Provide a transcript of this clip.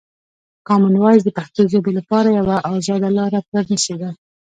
کامن وایس د پښتو ژبې لپاره یوه ازاده لاره پرانیستې ده.